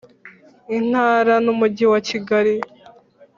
Intara n’ Umujyi wa Kigali